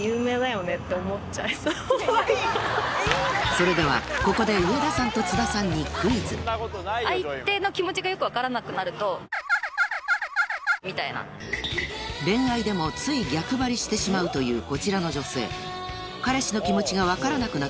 それではここで恋愛でもつい逆張りしてしまうというこちらの女性